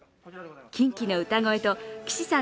キンキの歌声と岸さん